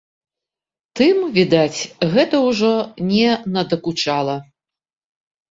Тым, відаць, гэта ўжо не надакучала.